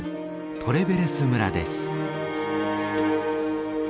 トレベレス村です。